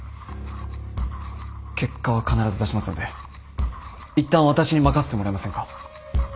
結果は必ず出しますのでいったん私に任せてもらえませんか？